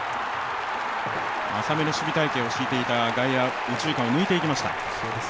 浅めの守備隊形をしていた外野、右中間を抜いていきました。